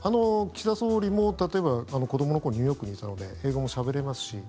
岸田総理も例えば、子どもの頃ニューヨークにいたので英語もしゃべれますし。